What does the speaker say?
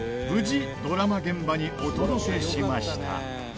無事ドラマ現場にお届けしました。